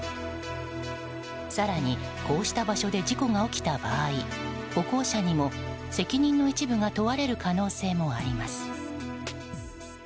更に、こうした場所で事故が起きた場合歩行者にも責任の一部が問われる可能性もあります。